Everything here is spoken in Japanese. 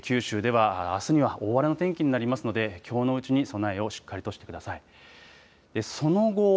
九州ではあすには大荒れの天気になりますのできょうのうちに備えをしっかりとしてください。